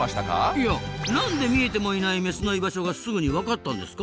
いや何で見えてもいないメスの居場所がすぐに分かったんですか？